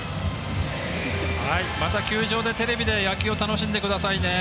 また、球場で、テレビで野球を楽しんでくださいね。